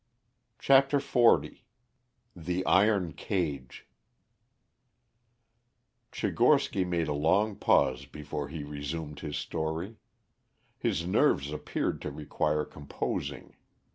CHAPTER XL THE IRON CAGE Tchigorsky made a long pause before he resumed his story. His nerves appeared to require composing.